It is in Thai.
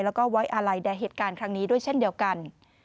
แล้วก็ไว้อาลัยแด่เหตุการณ์ครั้งนี้ด้วยเช่นเดียวกัน